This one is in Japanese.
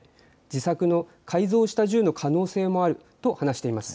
自作の改造した銃の可能性もあると話しています。